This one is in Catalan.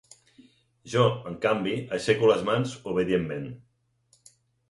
Jo, en canvi, aixeco les mans obedientment.